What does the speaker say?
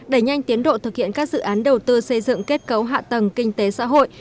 đẩy nhanh tiến độ thực hiện các dự án đầu tư xây dựng kết cấu hạ tầng kinh tế xã hội